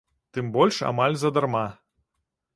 Тым больш амаль задарма.